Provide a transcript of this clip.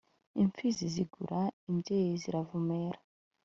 Imfizi zirivuga imbyeyi ziravumera